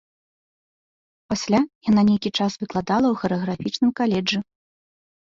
Пасля яна нейкі час выкладала ў харэаграфічным каледжы.